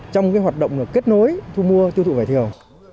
trong hoạt động kết nối thu mua tiêu thụ vải thiều